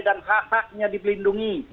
dan hak haknya di pelindungi